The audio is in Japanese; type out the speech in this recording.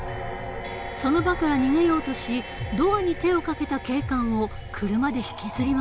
その場から逃げようとしドアに手をかけた警官を車で引きずり回した。